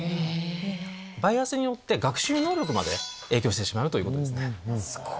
バイアスによって学習能力まで影響してしまうということですね。